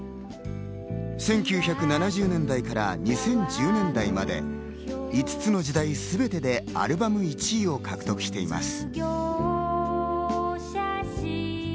１９７０年代から２０１０年代まで５つの時代全てでアルバム１位を獲得しています。